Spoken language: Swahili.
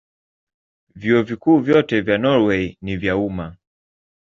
Vyuo Vikuu vyote vya Norwei ni vya umma.